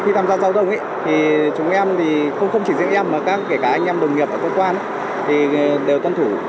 khi tham gia giao thông thì chúng em thì không chỉ riêng em mà kể cả anh em đồng nghiệp ở cơ quan thì đều tuân thủ